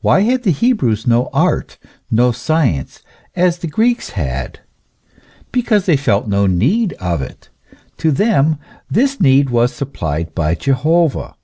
Why had the Hebrews no art, no science, as the Greeks had ? Because they felt no need of it. To them this need was sup plied by Jehovah.